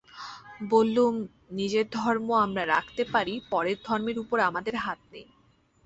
বললুম, নিজের ধর্ম আমরা রাখতে পারি, পরের ধর্মের উপর আমাদের হাত নেই।